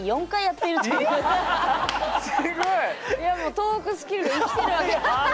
トークスキルも生きてるわけだ。